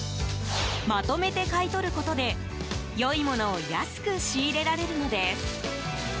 まとめて買い取ることで良いものを安く仕入れられるのです。